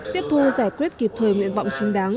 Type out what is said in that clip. tiếp thu giải quyết kịp thời nguyện vọng chính đáng